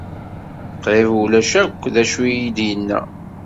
Qrib ulac akk d acu iyi-d-yenna.